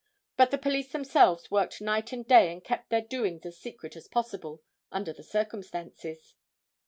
But the police themselves worked night and day and kept their doings as secret as possible, under the circumstances.